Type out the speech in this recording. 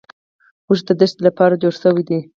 اوښ د دښتې لپاره جوړ شوی دی